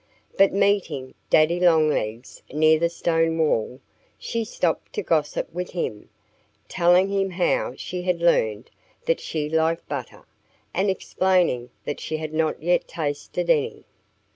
But meeting Daddy Longlegs near the stone wall, she stopped to gossip with him, telling him how she had learned that she liked butter, and explaining that she had not yet tasted any.